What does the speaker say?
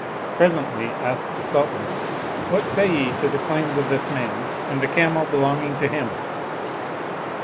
Presently, asked the Sultan, " What say ye to the claims of this man and the camel belonging to him?"